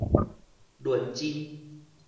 論真